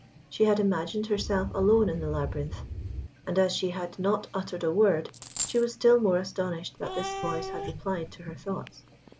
She had imagined herself alone in the labyrinth, and, as she had not uttered a word, she was still more astonished that this voice had replied to her thoughts.